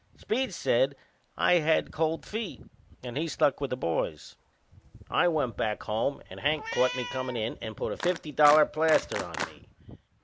Speed said I had cold feet and he stuck with the boys. I went back alone and Hank caught me comin' in and put a fifty dollar plaster on me.